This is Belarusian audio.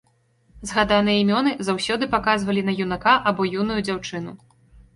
Згаданыя імёны заўсёды паказвалі на юнака або юную дзяўчыну.